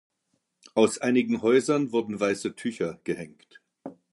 Aus einigen Häusern wurden weiße Tücher gehängt.